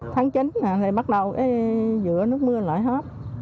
tháng chín bắt đầu dựa nước mưa lại hết